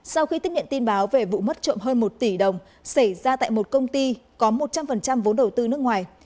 sau khi tiếp nhận tin báo về vụ mất trộm hơn một tỷ đồng xảy ra tại một công ty có một trăm linh vốn đầu tư nước ngoài